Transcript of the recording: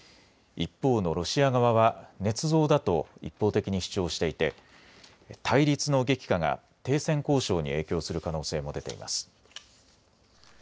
一方のロシア側はねつ造だと一方的に主張していて対立の激化が停戦交渉に影響する可能性も出ています。